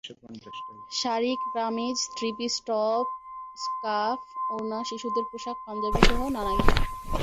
Sari, kameez, three piece, top, scarf, ওড়না, শিশুদের পোশাক, পাঞ্জাবিসহ নানা কিছু।